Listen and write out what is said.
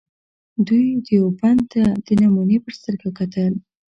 دوی دیوبند ته د نمونې په سترګه کتل.